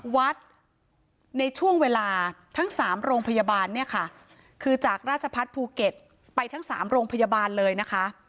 วัดในช่วงเวลาทั้ง๓โรงพยาบาลเนี่ยค่ะคือจากราชพัฒน์ภูเก็ตไปทั้ง๓โรงพยาบาลเลยนะคะ